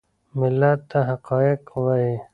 ملت ته حقایق ووایي .